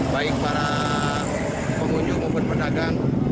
baik para pengunjung maupun pedagang